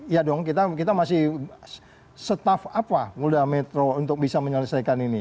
ya dong kita masih staff apa polda metro untuk bisa menyelesaikan ini